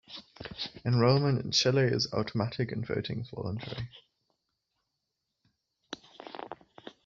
Enrollment in Chile is automatic and voting is voluntary.